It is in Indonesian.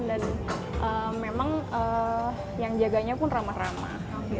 dan memang yang jaganya pun ramah ramah